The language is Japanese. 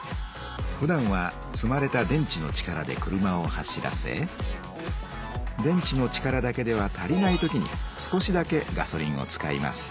ふだんは積まれた電池の力で車を走らせ電池の力だけでは足りない時に少しだけガソリンを使います。